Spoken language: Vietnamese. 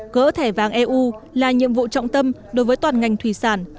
cỡ thẻ vàng eu là nhiệm vụ trọng tâm đối với toàn ngành thủy sản